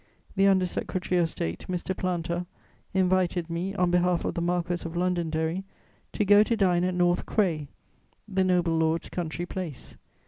The Under secretary of State, Mr. Planta, invited me, on behalf of the Marquess of Londonderry, to go to dine at North Cray, the noble lord's country place.